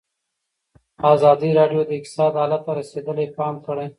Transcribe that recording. ازادي راډیو د اقتصاد حالت ته رسېدلي پام کړی.